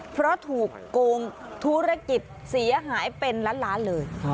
เพราะถูกโกงธุรกิจเสียหายเป็นล้านล้านเลย